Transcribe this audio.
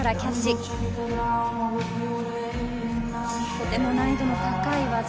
とても難易度の高い技。